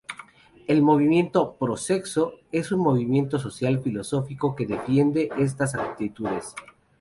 El movimiento pro-sexo es un movimiento social y filosófico que defiende estas actitudes.